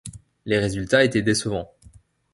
Les résultats étaient décevants.